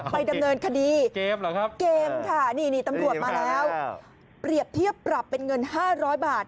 ไปดำเนินคดีเกมค่ะนี่นี่ตำรวจมาแล้วเปรียบเทียบปรับเป็นเงิน๕๐๐บาท